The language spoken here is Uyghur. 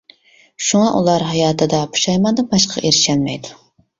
شۇڭا ئۇلار ھاياتىدا پۇشايماندىن باشقىغا ئېرىشەلمەيدۇ.